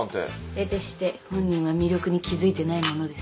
得てして本人は魅力に気付いてないものです。